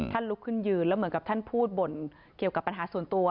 ลุกขึ้นยืนแล้วเหมือนกับท่านพูดบ่นเกี่ยวกับปัญหาส่วนตัว